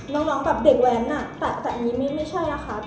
น้องเด็กแว้นแต่นี้ไม่ใช่นะคะ